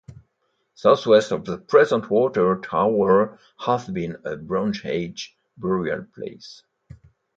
Southwest of the present water tower has been a Bronze Age burial place.